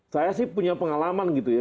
saya sih punya pengalaman gitu ya